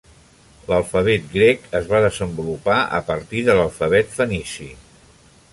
L'alfabet grec es va desenvolupar a partir de l'alfabet fenici.